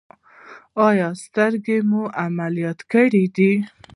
ایا سترګې مو عملیات کړي دي؟